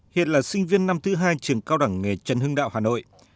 hiện là sinh viên năm thứ hai trường cao đẳng nghề trần hưng đạo hà nội